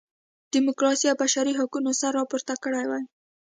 ډیموکراسۍ او بشري حقونو سر راپورته کړی وای.